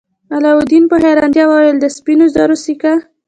علاوالدین په حیرانتیا وویل د سپینو زرو سکه.